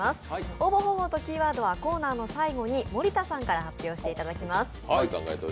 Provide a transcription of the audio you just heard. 応募方法とキーワードはコーナーの最後に森田さんから発表していただきます。